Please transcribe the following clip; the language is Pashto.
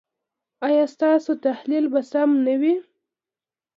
ایا ستاسو تحلیل به سم نه وي؟